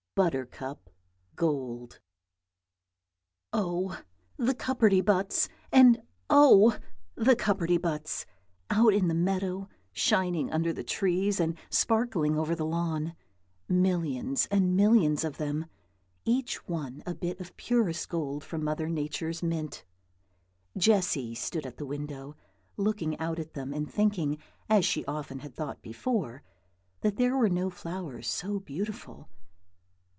BUTTERCUP GOLD Oh! the cupperty buts! and oh! the cupperty buts! out in the meadow, shining under the trees, and sparkling over the lawn, millions and millions of them, each one a bit of purest gold from Mother Nature's mint. Jessy stood at the window, looking out at them, and thinking, as she often had thought before, that there were no flowers so beautiful.